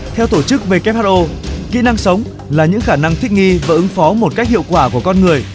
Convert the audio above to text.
theo tổ chức who kỹ năng sống là những khả năng thích nghi và ứng phó một cách hiệu quả của con người